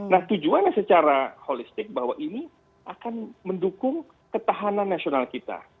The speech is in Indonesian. nah tujuannya secara holistik bahwa ini akan mendukung ketahanan nasional kita